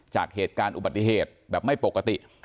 จากเหตุการณ์อุบัติเหตุแบบไม่ปกติ